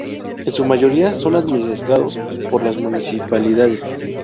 En su mayoría son administrados por las municipalidades.